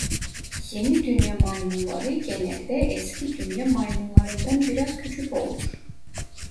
Yeni Dünya maymunları genelde Eski Dünya maymunlarından biraz küçük olur.